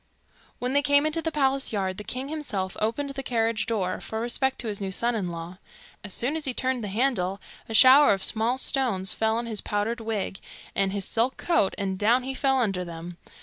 When they came into the palace yard, the king himself opened the carriage door, for respect to his new son in law. As soon as he turned the handle, a shower of small stones fell on his powdered wig and his silk coat, and down he fell under them.